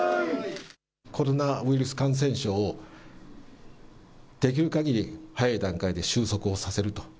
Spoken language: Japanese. コロナウイルス感染症をできるかぎり早い段階で終息をさせると。